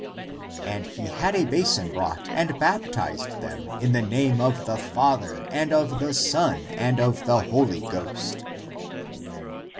" And he had a basin brought and bap tized them in the name of the Father and of the Son and of the Holy Ghost.